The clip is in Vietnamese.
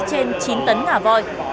trên chín tấn ngả voi